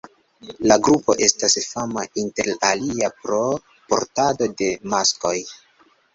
La grupo estas fama inter alia pro portado de maskoj.